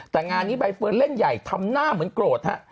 แต่งานนี้ใบเฟิร์นเล่นใหญ่ทำหน้าเหมือนโกรธฮะ